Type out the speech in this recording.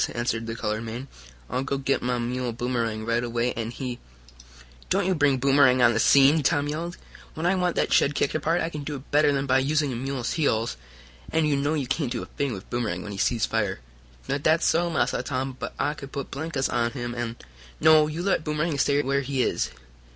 answered the colored man. "I'll go git mah mule, Boomerang, right away, an' he " "Don't you bring Boomerang on the scene!" Tom yelled. "When I want that shed kicked apart I can do it better than by using a mule's heels. And you know you can't do a thing with Boomerang when he sees fire." "Now dat's so, Massa Tom. But I could put blinkers on him, an' " "No, you let Boomerang stay where he is.